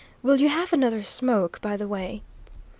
Will you have another smoke, by the way?"